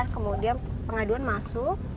kemudian pengaduan masuk